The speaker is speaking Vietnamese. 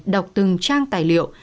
đọc từng trang tài liệu